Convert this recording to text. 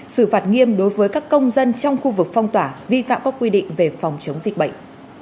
xử phạt nghiêm đối với các công dân trong khu vực phong tỏa vi phạm các quy định về phòng chống dịch bệnh